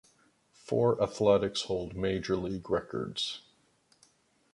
Four Athletics hold Major League records.